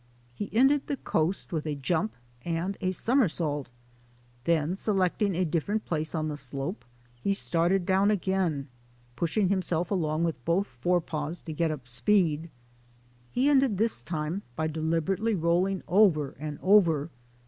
He ended the coast with a jump and a somersault. Then, se lecting a different place on the slope, he started down again, pushing himself along with both fore paws to get up speed. He ended this time by deliberately rolling over and over.